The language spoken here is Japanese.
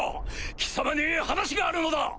貴様に話があるのだ！